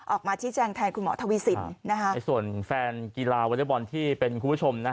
ออกมาชี้แจงแทนคุณหมอทวีสินในส่วนแฟนกีฬาวอเล็กบอลที่เป็นคุณผู้ชม